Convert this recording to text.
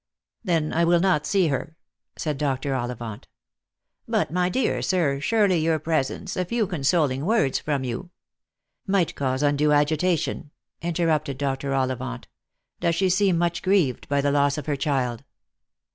" Then I will not see her," said Dr. Ollivant. "But, my dear sir, surely your presence — a few consoling words from you "" Might cause undue agitation," interrupted Dr. Ollivant. "Does she seem much grieved by the loss of her child?"